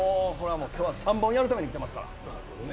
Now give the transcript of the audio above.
今日は３本やるために来てますから。